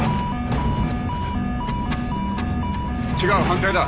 違う反対だ。